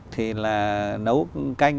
thì là nấu canh